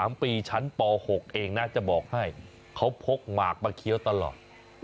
๓ปีชั้นป๖เองนะจะบอกให้เขาพกหมากมาเคี้ยวตลอด